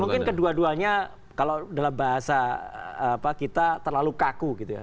mungkin kedua duanya kalau dalam bahasa kita terlalu kaku gitu ya